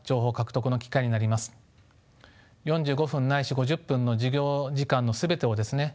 ４５分ないし５０分の授業時間の全てをですね